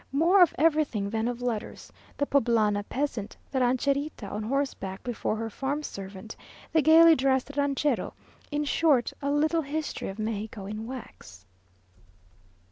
more of everything than of letters the Poblana peasant, the rancherita on horseback before her farm servant, the gaily dressed ranchero, in short, a little history of Mexico in wax....